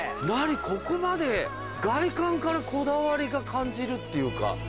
ここまで外観からこだわりが感じるっていうか。